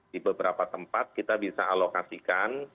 di beberapa tempat kita bisa alokasikan